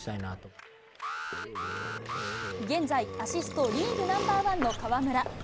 現在、アシストリーグナンバーワンの河村。